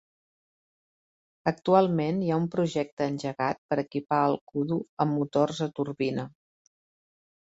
Actualment, hi ha un projecte engegat per equipar el Kudu amb motors a turbina.